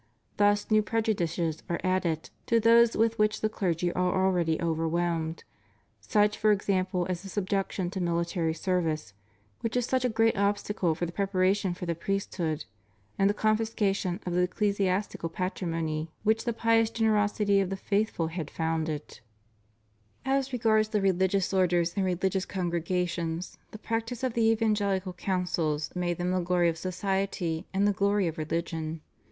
Thus new prejudices are added to those with which the clergy are already overwhelmed, such for ex ample as their subjection to military service, which is such a great obstacle for the preparation for the priest hood, and the confiscation of the ecclesiastical patrimony which the pious generosity of the faithful had founded. As regards the religious orders and religious con gregations, the practice of the evangelical counsels made them the glory of society and the glory of religion.